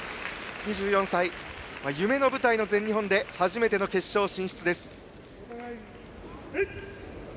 ２４歳、夢の舞台の全日本で初めての決勝進出です。